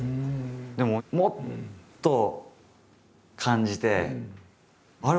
でももっと感じてあれ？